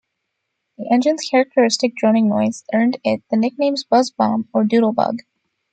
The engine's characteristic droning noise earned it the nicknames "buzz bomb" or "doodlebug".